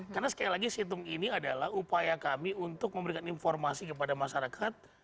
karena sekali lagi situng ini adalah upaya kami untuk memberikan informasi kepada masyarakat